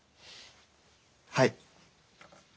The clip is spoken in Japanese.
はい。